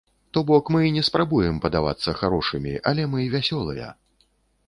То бок мы і не спрабуем падавацца харошымі, але мы вясёлыя.